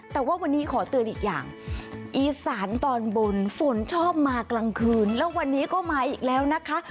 แต่ว่าวันนี้ขอเตือนอีกอย่างอีสานตอนบนฝนชอบมากลางคืนแล้ววันนี้ก็มาอีกแล้วนะคะ